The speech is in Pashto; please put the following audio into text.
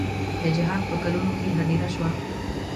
د جهاد په کلونو کې هدیره شوه.